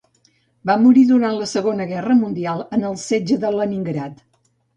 Va morir durant la Segona Guerra Mundial en el setge de Leningrad.